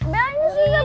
bangun sih ini